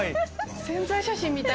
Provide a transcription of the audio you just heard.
宣材写真みたい。